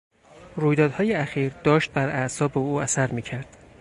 رویدادهای اخیر داشت بر اعصاب او اثر میکرد.